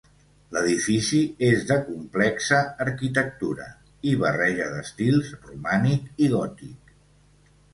L'edifici és de complexa arquitectura i barreja d'estils: romànic i gòtic.